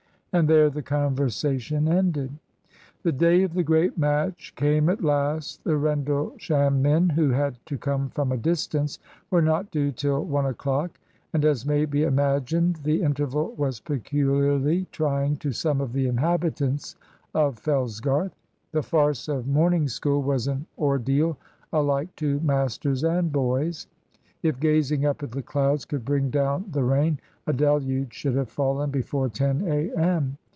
And there the conversation ended. The day of the great match came at last. The Rendlesham men, who had to come from a distance, were not due till one o'clock, and, as may be imagined, the interval was peculiarly trying to some of the inhabitants of Fellsgarth. The farce of morning school was an ordeal alike to masters and boys. If gazing up at the clouds could bring down the rain, a deluge should have fallen before 10 a.m.